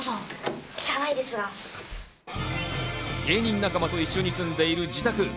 芸人仲間と一緒に住んでいる自宅。